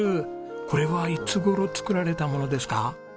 これはいつ頃作られたものですか？